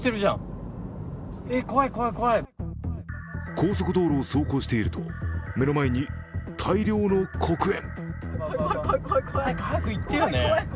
高速道路を走行していると、目の前に大量の黒煙。